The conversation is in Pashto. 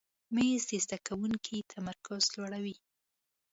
مېز د زده کوونکي تمرکز لوړوي.